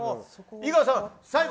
井川さん最後。